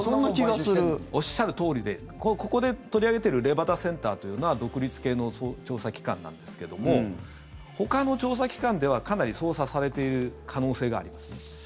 おっしゃるとおりでここで取り上げているレバダ・センターというのは独立系の調査機関なんですけどもほかの調査機関ではかなり操作されている可能性があります。